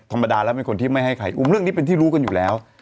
ธรรมดาแล้วเป็นคนที่ไม่ให้ใครอุ้มเรื่องนี้เป็นที่รู้กันอยู่แล้ว